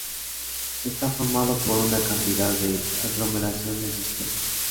Está formado por una cantidad de aglomeraciones dispersas.